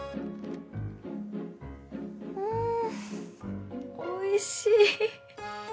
うんおいしい